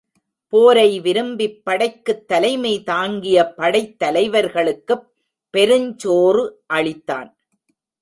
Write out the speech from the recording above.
போரை விரும்பிப் படைக்குத் தலைமை தாங்கிய படைத் தலைவர்களுக்குப் பெருஞ்சோறு அளித்தான்.